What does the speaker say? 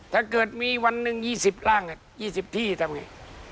ถ้าเกิดมีวันหนึ่ง๒๐ร่าง๒๐ที่ทำไง